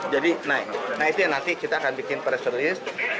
jadi nah itu yang nanti kita akan bikin pressurist